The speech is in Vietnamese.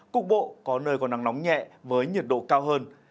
cục bộ có nơi có nắng nóng nhẹ với nhiệt độ cao hơn